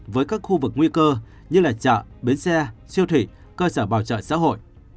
với các khu vực nguy cơ như là chợ bến xe siêu thủy cơ sở bảo trợ xã hội